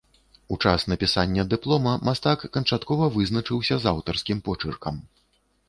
У час напісання дыплома мастак канчаткова вызначыўся з аўтарскім почыркам.